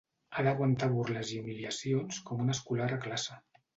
Ha d'aguantar burles i humiliacions com un escolar a classe.